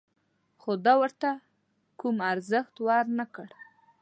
خو ده ورته کوم ارزښت ور نه کړ.